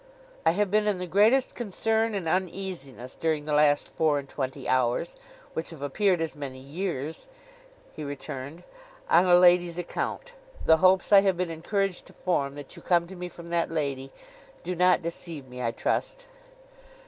'I have been in the greatest concern and uneasiness during the last four and twenty hours (which have appeared as many years),' he returned, 'on a lady's account. The hopes I have been encouraged to form that you come from that lady, do not deceive me, I trust.